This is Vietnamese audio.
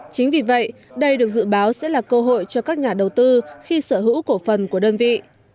chính vì vậy đây được dự báo sẽ là cơ hội cho các nhà đầu tư khi sở hữu cổ phần của đơn vị